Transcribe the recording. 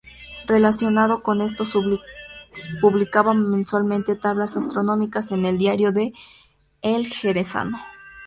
Relacionado con esto, publicaba mensualmente tablas astronómicas en el diario "El Jerezano".